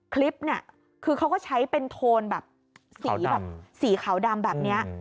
คลิปนี้เขาก็ใช้เป็นโทนแบบสีขาวดำแบบนี้